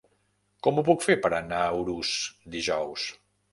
Com ho puc fer per anar a Urús dijous?